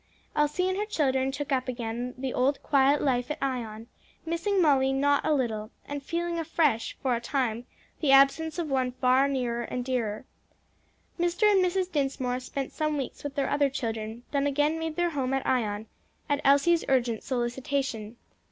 Elsie and her children took up again the old, quiet life at Ion, missing Molly not a little, and feeling afresh, for a time, the absence of one far nearer and dearer. Mr. and Mrs. Dinsmore spent some weeks with their other children, then again made their home at Ion, at Elsie's urgent solicitation.